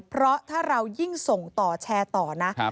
เพราะถ้าเรายิ่งส่งต่อแชร์ต่อนะ